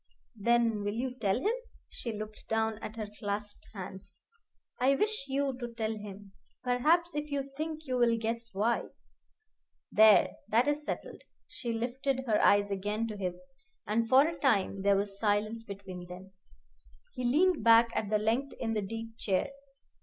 "Then will you tell him?" She looked down at her clasped hands. "I wish you to tell him. Perhaps if you think you will guess why. There! that is settled." She lifted her eyes again to his, and for a time there was silence between them. He leaned back at length in the deep chair.